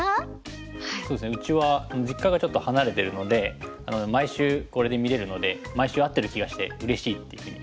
そうですねうちは実家がちょっと離れてるので毎週これで見れるので毎週会ってる気がしてうれしいっていうふうに。